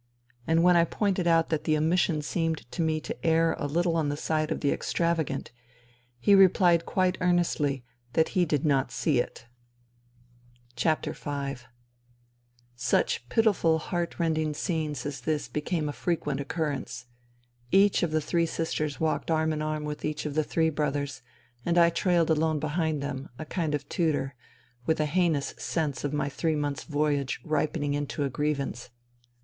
And when I pointed out that the omission seemed to me to err a little on the side of the extravagant, he replied quite earnestly that he did not " see it." 246 FUTILITY Such pitiful, heartrending scenes as this became a frequent occurrence. Each of the three sisters walked arm in arm with each of the " three brothers," and I trailed alone behind them, a kind of tutor, with a heinous sense of my three months' voyage ripening into a grievance.